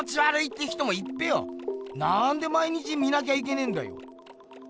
なんで毎日見なきゃいけねんだよ？